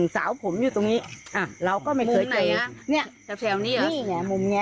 สาวผมอยู่ตรงนี้เราก็ไม่เจอหน่อย